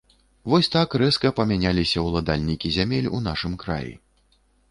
Вось так рэзка памяняліся ўладальнікі зямель у нашым краі.